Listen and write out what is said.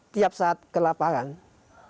tiap saat kelapangan pada sistem krisis ini